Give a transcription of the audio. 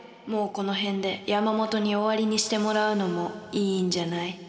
もうこの辺で山本に終わりにしてもらうのもいいんじゃない？